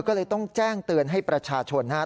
ก็เลยต้องแจ้งเตือนให้ประชาชนนะครับ